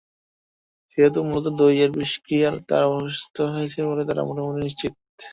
সেহেতু মূলত দইয়ের বিষক্রিয়ায় তাঁরা অসুস্থ হয়েছেন বলে তাঁরা মোটামুটি নিশ্চিত।